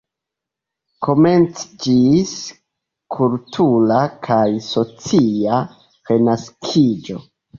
Komenciĝis kultura kaj socia renaskiĝo.